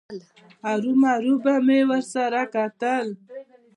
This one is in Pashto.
هرومرو به مې ورسره کتل.